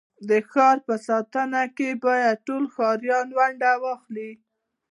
د ښار په ساتنه کي بايد ټول ښاریان ونډه واخلي.